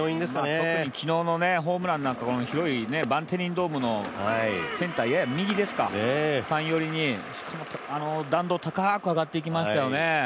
特に昨日のホームランなんかこの広いバンテリンドームのセンターやや右ですか、弾道を高く上がっていきましたよね。